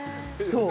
そう。